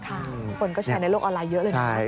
คุณก็ใช้ในโลกออนไลน์เยอะเลยนะครับ